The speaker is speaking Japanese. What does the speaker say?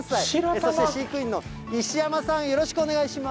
そして飼育員のさん、よろしくお願いします。